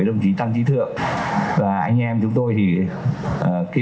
để chúng ta có thể cứu được hỗ trợ được